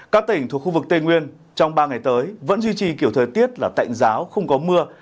các tỉnh thuộc khu vực tây nguyên trong ba ngày tới vẫn duy trì kiểu thời tiết là tạnh giáo không có mưa